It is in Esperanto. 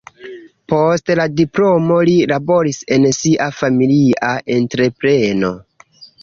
Post la diplomo li laboris en sia familia entrepreno.